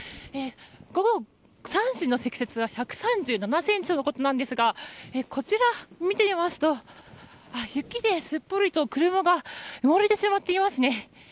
午後３時の積雪は１３７ｃｍとのことなんですがこちら見てみますと雪ですっぽり車が埋もれてしまっていますね。